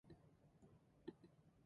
Of their release of Vivaldi Op.